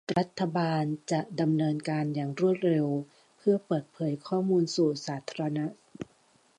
รัฐบาลจะดำเนินการอย่างรวดเร็วเพื่อเปิดเผยข้อมูลสู่สาธารณะ